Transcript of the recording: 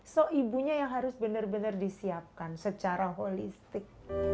so ibunya yang harus benar benar disiapkan secara holistik